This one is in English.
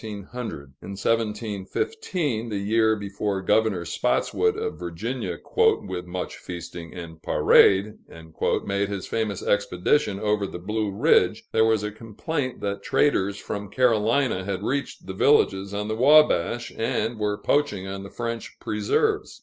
In 1715, the year before Governor Spotswood of Virginia, "with much feasting and parade," made his famous expedition over the Blue Ridge, there was a complaint that traders from Carolina had reached the villages on the Wabash, and were poaching on the French preserves.